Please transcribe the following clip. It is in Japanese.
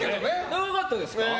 長かったですか？